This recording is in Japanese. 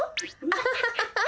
アハハハハハハ！